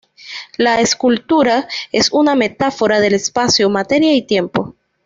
La escultura es una metáfora del espacio, materia y tiempo.